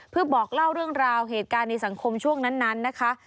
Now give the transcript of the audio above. เพื่อบอกเล่าเรื่องราวเหตุการณ์ในสังคมช่วงนั้นนะคะ